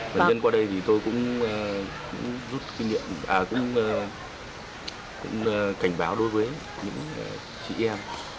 và nhân qua đây thì tôi cũng rút kinh nghiệm cũng cảnh báo đối với những chị em